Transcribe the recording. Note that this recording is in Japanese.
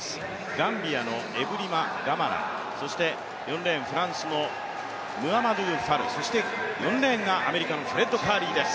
ガンビアのエブリマ・カマラ、そして４レーン、フランスのムアマドゥ・ファル、そしてアメリカのフレッド・カーリーです。